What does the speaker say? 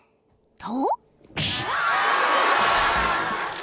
［と］